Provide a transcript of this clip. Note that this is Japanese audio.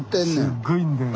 すっごいんだよ。